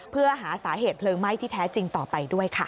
เพื่อหาสาเหตุเพลิงไหม้ที่แท้จริงต่อไปด้วยค่ะ